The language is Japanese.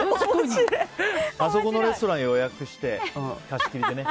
あそこのレストランを予約して貸し切りでね。